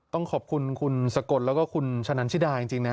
ต้องขอบคุณคุณสกลแล้วก็คุณชะนันชิดาจริงนะ